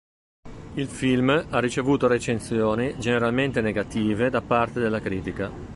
Il film ha ricevuto recensioni generalmente negative da parte della critica.